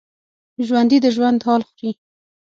ژوندي د ژوند حال خوري